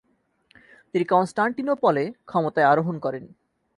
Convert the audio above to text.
তিনি কন্সটান্টিনোপলে ক্ষমতায় আরোহণ করেন।